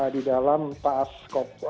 di dalam tas kop